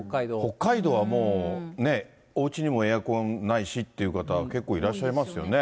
北海道はもうね、おうちにもエアコンないしっていう方、結構いらっしゃいますよね。